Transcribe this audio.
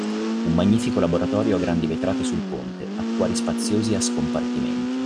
Un magnifico laboratorio a grandi vetrate sul ponte, acquari spaziosi a scompartimenti.